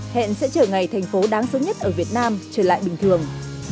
hẹn sẽ chờ ngày thành phố đáng sớm nhất ở việt nam trở lại bình thường